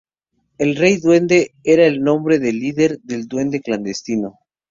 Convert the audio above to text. El Rey Duende era el nombre del líder del Duende clandestino.